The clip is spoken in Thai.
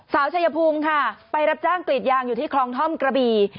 ชายภูมิค่ะไปรับจ้างกรีดยางอยู่ที่คลองท่อมกระบี่